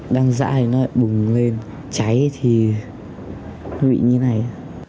đang dãi nó lại bùng lên cháy thì nó bị như này